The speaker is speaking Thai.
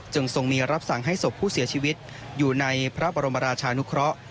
ทรงมีรับสั่งให้ศพผู้เสียชีวิตอยู่ในพระบรมราชานุเคราะห์